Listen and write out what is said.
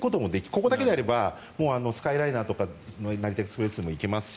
ここだけであればスカイライナーとか成田エクスプレスでも行けますし。